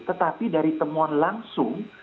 tetapi dari temuan langsung